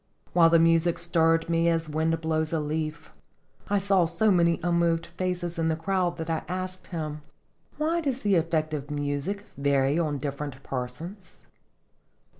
While the music stirred me as wind blows a leaf, I saw so many unmoved faces in the crowd that I asked him :" Why does the effect of music vary on different persons?"